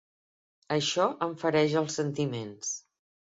Això em fereix els sentiments.